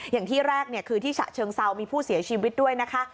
อย่างที่แรกคือที่ฉะเชิงเซามีผู้เสียชีวิตด้วยนะคะ